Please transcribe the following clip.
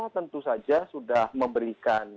tentu saja sudah memberikan